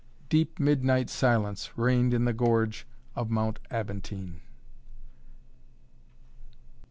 Deep midnight silence reigned in the gorge of Mount Aventine.